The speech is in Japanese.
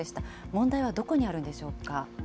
問題はどこにあるんでしょうか。